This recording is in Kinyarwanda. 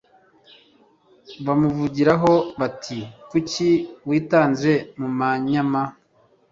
bamuvugiraho bati «kuki witanze mu manyama